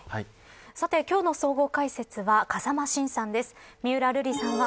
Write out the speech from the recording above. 今日の総合解説は風間晋さんです。